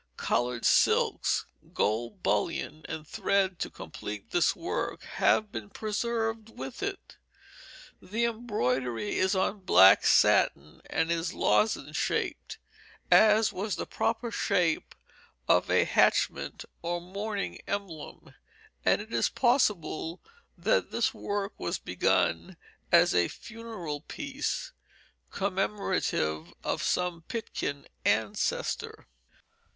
Colored silks, gold bullion and thread to complete this work have been preserved with it. The embroidery is on black satin, and is lozenge shaped, as was the proper shape of a hatchment or mourning emblem; and it is possible that this work was begun as a funeral piece, commemorative of some Pitkin ancestor.